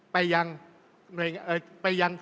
ไปยัง